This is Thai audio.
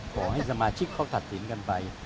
ขอให้สมาชิกเขาตัดสินกันไป